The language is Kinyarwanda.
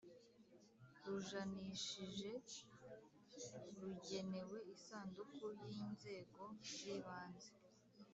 Rujanishije rugenewe isanduku y inzego z ibanze